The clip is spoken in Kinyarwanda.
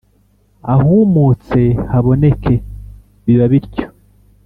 ahumutse haboneke.” Biba bityo.